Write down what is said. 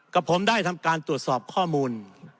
กับผมได้ทำการตรวจสอบข้อมูล